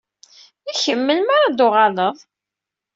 I kem, melmi ara d-tuɣaleḍ?